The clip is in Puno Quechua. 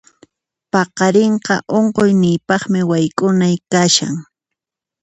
Paqarinqa unquqniypaqmi wayk'unay kashan.